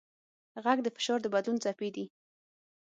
غږ د فشار د بدلون څپې دي.